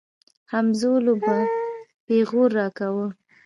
همزولو به پيغور راکاوه.